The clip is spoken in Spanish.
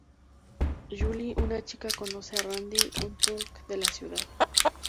Julie, una chica, conoce a Randy, un punk de la ciudad.